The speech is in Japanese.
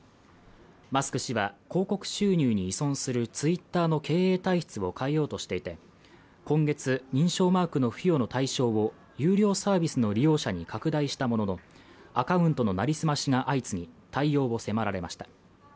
マスク氏は広告収入に依存するＴｗｉｔｔｅｒの経営体質を変えようとしていて今月認証マークの付与の対象を有料サービスの利用者に拡大したもののアカウントのなりすましが相次ぎ対応を迫られました